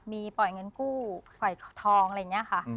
มีปล่อยเงินกู้ปล่อยทองอะไรอย่างนี้ค่ะ